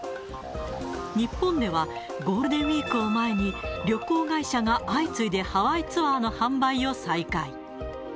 日本ではゴールデンウィークを前に、旅行会社が相次いでハワイツアーの販売を再開。